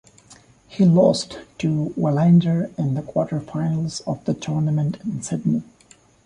He lost to Wilander in the quarterfinals of the tournament in Sydney.